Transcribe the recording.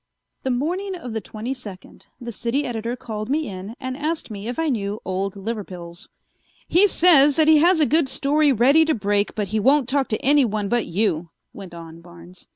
The morning of the twenty second the City Editor called me in and asked me if I knew "Old Liverpills." "He says that he has a good story ready to break but he won't talk to anyone but you," went on Barnes.